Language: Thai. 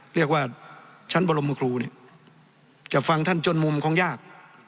เรียกว่าชั้นบรมครูเนี่ยจะฟังท่านจนมุมคงยาก